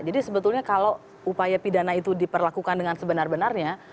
jadi sebetulnya kalau upaya pidana itu diperlakukan dengan sebenar benarnya